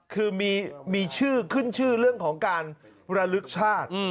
คือมีชื่อขึ้นชื่อเรื่องของการระลึกชาติ